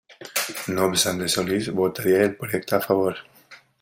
No obstante Solís votaría el proyecto a favor.